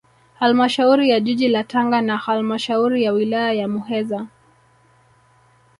Halmashauri ya jiji la Tanga na halmashauri ya wilaya ya Muheza